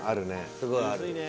すごいある。